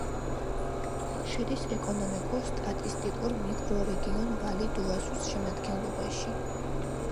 შედის ეკონომიკურ-სტატისტიკურ მიკრორეგიონ ვალი-დუ-ასუს შემადგენლობაში.